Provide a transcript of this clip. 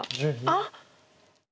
あっ！